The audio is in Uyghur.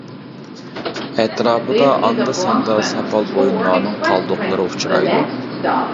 ئەتراپىدا ئاندا-ساندا ساپال بۇيۇملارنىڭ قالدۇقلىرى ئۇچرايدۇ.